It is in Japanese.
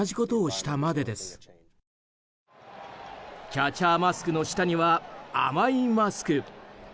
キャッチャーマスクの下には甘いマスク。